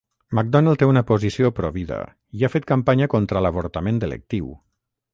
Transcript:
McDonnell té una posició provida i ha fet campanya contra l'avortament electiu.